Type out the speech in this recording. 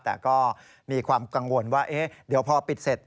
แต่ก็มีความกังวลว่าเดี๋ยวพอปิดเสร็จ